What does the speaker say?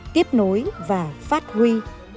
tiếp nối và phát huy